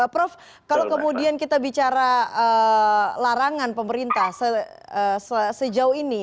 prof kalau kemudian kita bicara larangan pemerintah sejauh ini